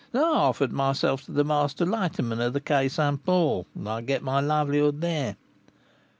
"I offered myself to the master lighterman of the Quai St. Paul, and I get my livelihood there."